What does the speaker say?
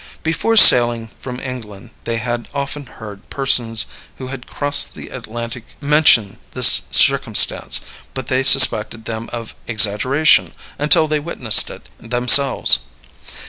Before sailing from England they had often heard persons who had crossed the Atlantic mention this circumstance, but they suspected them of exaggeration until they witnessed it themselves.